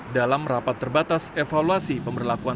dalam rapat terbatas evaluasi pemberlakuan